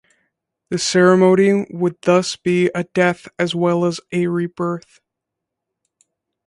The ceremony would thus be a death as well as a rebirth.